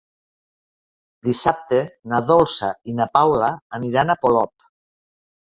Dissabte na Dolça i na Paula aniran a Polop.